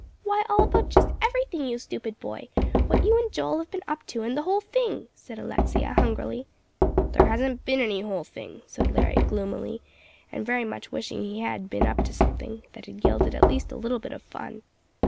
"Why, all about just everything, you stupid boy; what you and Joel have been up to, and the whole thing," said Alexia, hungrily. "There hasn't been any whole thing," said Larry, gloomily, and very much wishing he had "been up to something" that had yielded at least a little bit of fun.